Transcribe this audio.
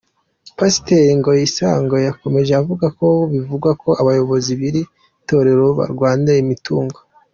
Pasiteri Ngaboyisonga yakomeje avuga no ku bivugwa ko abayobozi b’iri Torero barwanira imitungo.